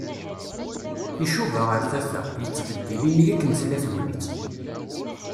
Icuba ar tata. Yettbeddil ini akken tella tegnit.